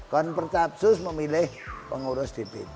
konferensi kapsus memilih pengurus dpc